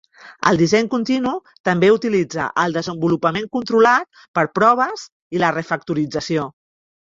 El disseny continu també utilitza el desenvolupament controlat per proves i la refactorització.